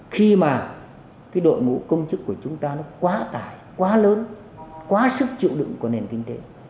khi mà cái đội ngũ công chức của chúng ta nó quá tải quá lớn quá sức chịu đựng của nền kinh tế